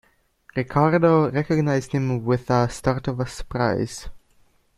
Ricardo recognised him with a start of surprise.